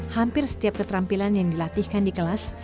hampir setiap keterampilan yang dilatihkan di kelas